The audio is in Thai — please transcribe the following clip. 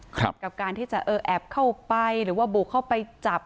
กับการที่จะเออแอบเข้าไปหรือว่าบุกเข้าไปจับ